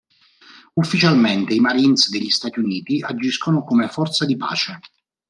Ufficialmente, i Marines degli Stati Uniti agiscono come forza di pace.